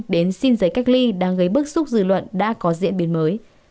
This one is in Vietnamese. đến xin giấy cách ly đang gây bức xúc dư luận đã có diễn biến mới